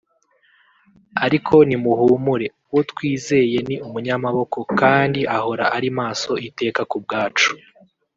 ariko nimuhumure uwo twizeye ni umunyamaboko kandi ahora ari maso iteka kubwacu